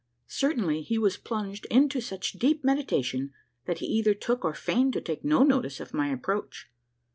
Certainly he was plunged into such deep meditation that he either took or feigned to take no notice of my approach.